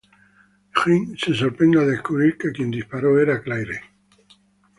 Jin se sorprende al descubrir que quien disparó era Claire.